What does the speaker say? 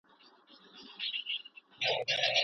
له بېلتونه به ژوندون راته سور اور سي